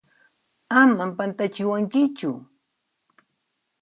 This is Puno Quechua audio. Aman pantachiwankichu!